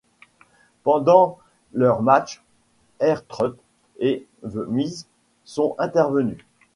Pendant leur match, R-Truth et The Miz sont intervenus.